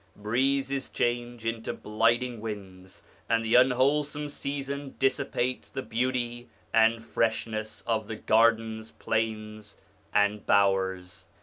Breezes change into blighting winds, and the un wholesome season dissipates the beauty and freshness of the gardens, plains, and bowers.